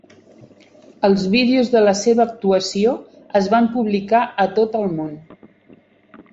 Els vídeos de la seva actuació es van publicar a tot el món.